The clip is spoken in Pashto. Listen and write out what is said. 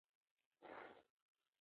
موزیک د کلي غږ دی.